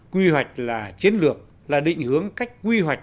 quy hoạch là chiến lược là định hướng cách quy hoạch